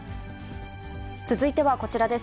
続いてはこちらです。